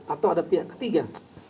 atau ada pihak ketiga